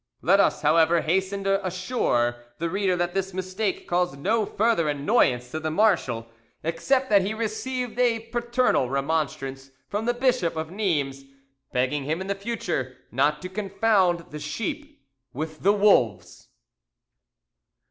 Let us, however, hasten to assure the reader that this mistake caused no further annoyance to the marshal, except that he received a paternal remonstrance from the Bishop of Nimes, begging him in future not to confound the sheep with the wolves.